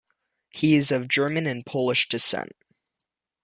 He is of German and Polish descent.